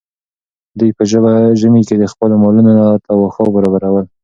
دوی په ژمي کې خپلو مالونو ته واښه برابرول.